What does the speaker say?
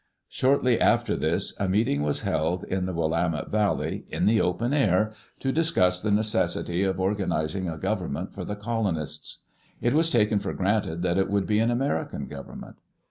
Shortly after this a meeting was held in the Willamette Valley, in the open air, to discuss the necessity of organiz ing a government for the colonists. It was taken for granted that it would be an American government.